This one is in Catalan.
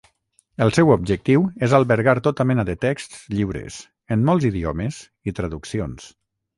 El seu objectiu és albergar tota mena de texts lliures, en molts idiomes, i traduccions.